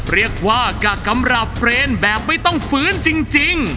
เรียกว่ากะกำรับเรนแบบไม่ต้องฟื้นจริง